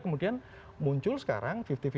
kemudian muncul sekarang lima puluh lima puluh